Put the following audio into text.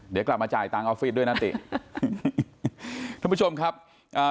เดี๋ยวกลับมาจ่ายตังค์ออฟฟิศด้วยนะติท่านผู้ชมครับอ่า